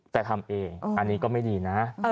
แต่ทำเองอันนี้ก็ไม่ดีนะ